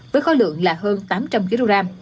với khói lượng là hơn tám trăm linh kg